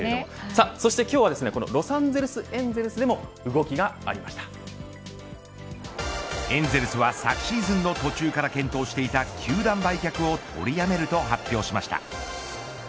そして今日はロサンゼルスエンゼルスでもエンゼルスは、昨シーズンの途中から検討していた球団売却を取りやめると発表しました。